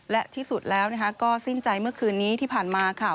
และที่สุดแล้วก็สิ้นใจเมื่อคืนนี้ที่ผ่านมาค่ะ